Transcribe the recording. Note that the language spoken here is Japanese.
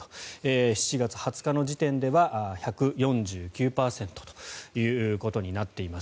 ７月２０日時点では１４９％ということになっています。